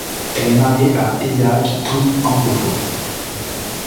Elle est mariée à Isaac Twum-Ampofo.